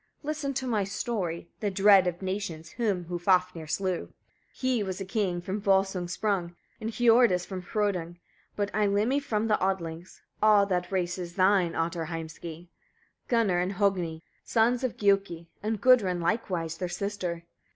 (Listen to my story) the dread of nations, him who Fafnir slew. 26. He was a king, from Volsung sprung, and Hiordis from Hrodung; but Eylimi from the Odlings. All that race is thine, Ottar Heimski! 27. Gunnar and Hogni, sons of Giuki; and Gudrun likewise, their sister.